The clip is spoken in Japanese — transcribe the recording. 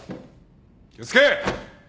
気を付け！